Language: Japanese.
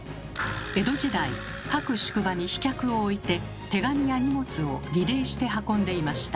江戸時代各宿場に飛脚を置いて手紙や荷物をリレーして運んでいました。